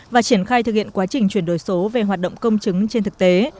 và triển khai thực hiện quá trình chuyển đổi số về hoạt động công chứng trên thực tế